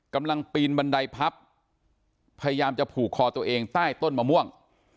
กำลังปีนบันไดพับพยายามจะผูกคอตัวเองใต้ต้นมะม่วง